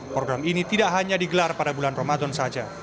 program ini tidak hanya digelar pada bulan ramadan saja